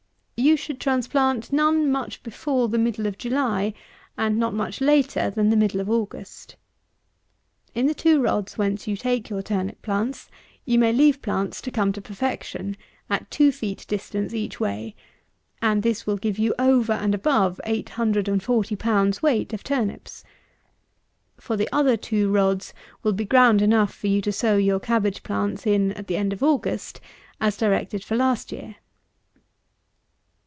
You should transplant none much before the middle of July, and not much later than the middle of August. In the two rods, whence you take your turnip plants, you may leave plants to come to perfection, at two feet distances each way; and this will give you over and above, 840 pounds weight of turnips. For the other two rods will be ground enough for you to sow your cabbage plants in at the end of August, as directed for last year.